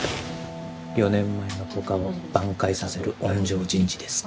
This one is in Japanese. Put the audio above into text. ４年前のポカを挽回させる温情人事ですか？